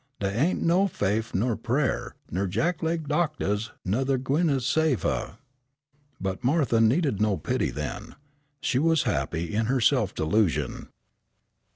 Dey ain't no faif nur prayer, nur Jack leg doctors nuther gwine to save huh." But Martha needed no pity then. She was happy in her self delusion.